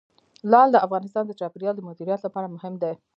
لعل د افغانستان د چاپیریال د مدیریت لپاره مهم دي.